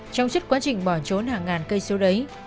trong suốt quá trình bỏ trốn hàng ngàn cây số đấy